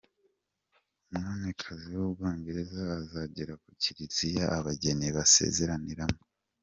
am: Umwamikazi w’u Bwongereza azagera ku Kiliziya abageni bazasezeraniramo.